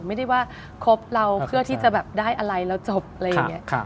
ไม่ได้ว่าคบเราเพื่อที่จะแบบได้อะไรเราจบอะไรอย่างนี้